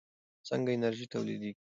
څنګه انرژي تولیدېږي؟